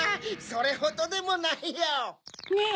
それほどでもないよ。ねぇ！